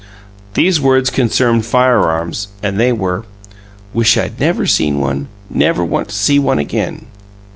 These words concerned firearms, and they were: "Wish I'd never seen one! Never want to see one again!"